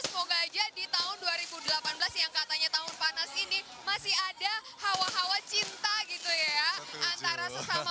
semoga aja di tahun dua ribu delapan belas yang katanya tahun panas ini masih ada hawa hawa cinta gitu ya antara sesama